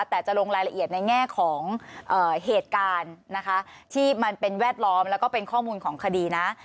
แต่จะลงรายละเอียดในแง่ของเหตุการณ์นะคะที่มันเป็นแวดล้อมแล้วก็เป็นข้อมูลของคดีนะ